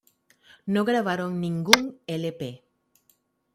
No grabaron ningún lp.